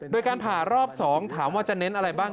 โดยการผ่ารอบ๒ถามว่าจะเน้นอะไรบ้าง